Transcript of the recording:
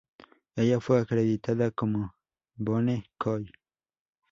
Ella fue acreditada como "Yvonne Coll".